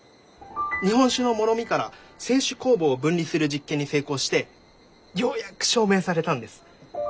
日本酒のもろみから清酒酵母を分離する実験に成功してようやく証明されたんです。